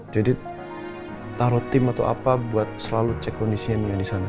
jadi taruh tim atau apa buat selalu cek kondisinya nia di sana